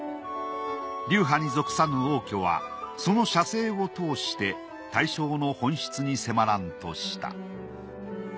流派に属さぬ応挙はその写生を通して対象の本質に迫らんとした。